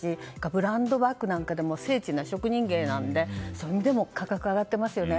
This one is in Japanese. ブランドバッグなんかでも精緻な職人芸なのでそういう意味でも価格は上がっていますよね。